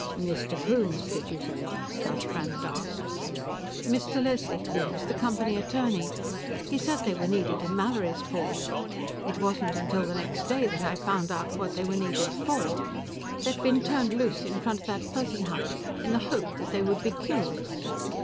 "Mr. Coombes, did you say?" Gus Brannhard asked. "Mr. Leslie Coombes, the Company attorney. He said they were needed in Mallorysport. It wasn't till the next day that I found out what they were needed for. They'd been turned loose in front of that Fuzzy hunt, in the hope that they would be killed."